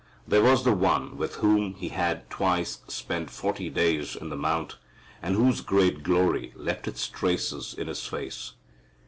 There was the One with whom He had twice spent forty days in the mount, and whose great glory left its traces in his face.